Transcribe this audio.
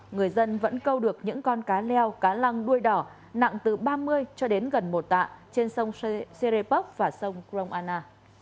người dân vẫn câu được những con cá leo cá lăng đuôi đỏ nặng từ ba mươi cho đến gần một tạ trên sông serebop và sông cromana